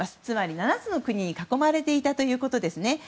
つまり７つの国に囲まれていたということですね。